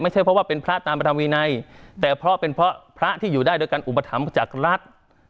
ไม่ใช่เพราะว่าเป็นพระตามพระธรรมวินัยแต่เพราะเป็นเพราะพระที่อยู่ได้โดยการอุปถัมภ์จากรัฐ